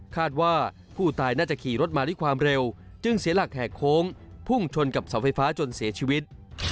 คาดว่าผู้ตายน่าจะขี่รถมาด้วยความเร็วจึงเสียหลักแหกโค้งพุ่งชนกับเสาไฟฟ้าจนเสียชีวิต